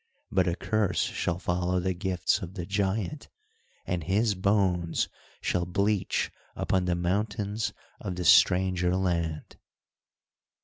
But a curse shall follow the gifts of the giant, and his bones shall bleach upon the mountains of the stranger land."